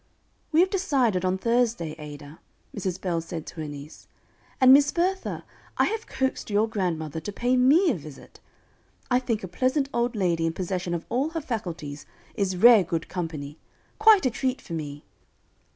"We have decided on Thursday, Ada," Mrs. Bell said to her niece; "and, Miss Bertha, I have coaxed your grandmother to pay me a visit. I think a pleasant old lady, in possession of all her faculties, is rare good company quite a treat for me.